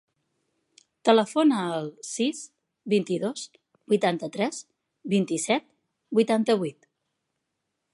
Telefona al sis, vint-i-dos, vuitanta-tres, vint-i-set, vuitanta-vuit.